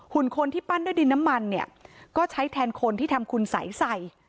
คนที่ปั้นด้วยดินน้ำมันเนี่ยก็ใช้แทนคนที่ทำคุณสัยใส่